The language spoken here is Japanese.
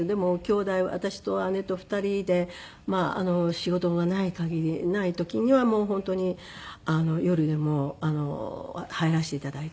でも私と姉と２人で仕事がないかぎりない時にはもう本当に夜でも入らせて頂いて。